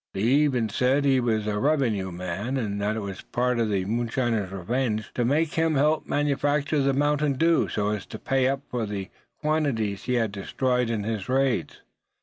They even said he was a revenue man; and that it was a part of the moonshiners' revenge to make him help manufacture the mountain dew, so as to pay up for the quantities he had destroyed in his raids.